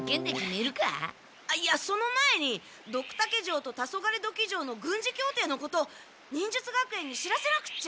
いやその前にドクタケ城とタソガレドキ城の軍事協定のこと忍術学園に知らせなくっちゃ！